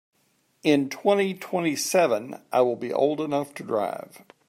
In twenty-twenty-seven I will old enough to drive.